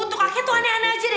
tukaknya tuh aneh aneh aja deh